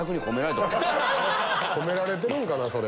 褒められてるんかな？